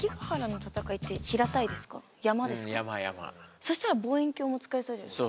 そしたら望遠鏡も使えそうじゃないですか。